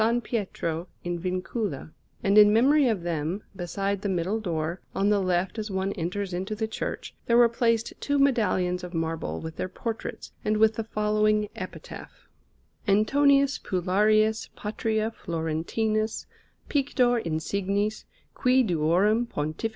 Pietro in Vincula; and in memory of them, beside the middle door, on the left as one enters into the church, there were placed two medallions of marble with their portraits and with the following epitaph: ANTONIUS PULLARIUS PATRIA FLORENTINUS, PICTOR INSIGNIS, QUI DUORUM PONTIF.